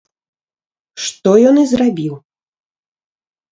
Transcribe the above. Што ён і зрабіў.